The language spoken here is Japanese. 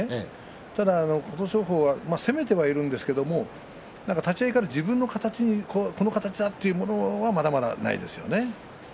ただ琴勝峰は攻めてはいるんですけど立ち合いから自分の形にこの形だというものはまだまだ、ないですよね。